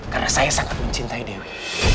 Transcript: karena saya sangat mencintai dewi